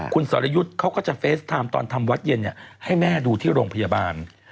คุณสรยุทธ์เขาก็จะเฟสไทม์ตอนทำวัดเย็นให้แม่ดูที่โรงพยาบาล